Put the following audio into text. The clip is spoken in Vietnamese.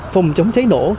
phòng chống cháy nổ